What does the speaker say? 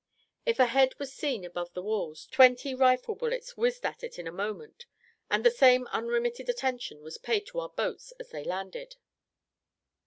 If a head was seen above the walls, twenty rifle bullets whizzed at it in a moment, and the same unremitted attention was paid to our boats as they landed.